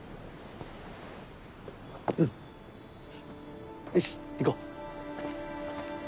うんよし行こう。